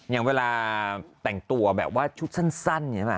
อย่างเวลาแต่งตัวแบบว่าชุดสั้น